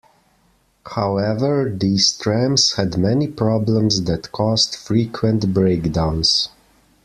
However, these trams had many problems that caused frequent breakdowns.